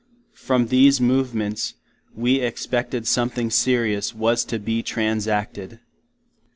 From these movements, we expected something serious was [to] be transacted.